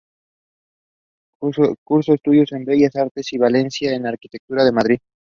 Cursó estudios de bellas artes en Valencia y de arquitectura en Madrid.